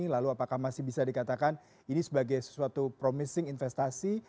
lalu apakah masih bisa dikatakan ini sebagai sesuatu promising investasi